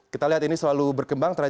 kita lihat ini selalu berkembang